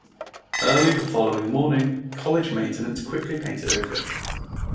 Early the following morning, college maintenance quickly painted over it.